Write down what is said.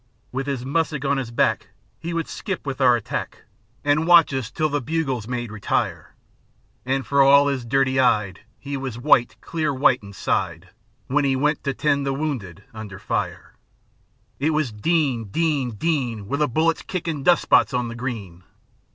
With 'is mussick 5 on 'is back, 'E would skip with our attack, An' watch us till the bugles made "Retire", An' for all 'is dirty 'ide 'E was white, clear white, inside When 'e went to tend the wounded under fire! It was "Din! Din! Din!" With the bullets kickin' dust spots on the green.